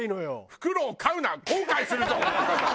「フクロウ飼うな後悔するぞ」